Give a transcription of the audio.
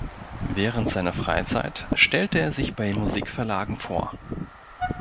Während seiner Freizeit stellte er sich bei Musikverlagen vor.